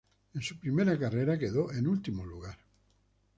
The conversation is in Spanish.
En su primera carrera quedó en último lugar.